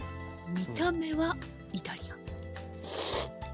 見た目はイタリアン。